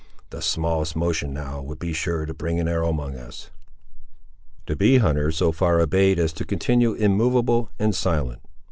The smallest motion, now, would be sure to bring an arrow among us." The bee hunter so far obeyed as to continue immovable and silent.